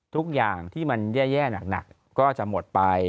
ทุกอย่างที่มันแย่หนักก็จะหมดไป